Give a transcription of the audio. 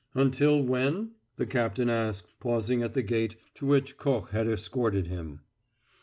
"Until when?" the captain asked, pausing at the gate, to which Koch had escorted him.